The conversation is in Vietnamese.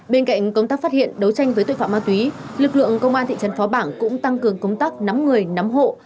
bên cạnh công tác phát hiện đấu tranh với tội phạm ma túy lực lượng công an thị trấn phó bảng cũng tăng cường công tác nắm người nắm hộ